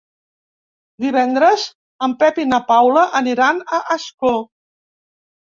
Divendres en Pep i na Paula aniran a Ascó.